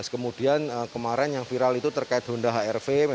kemudian kemarin yang viral itu terkait honda hr v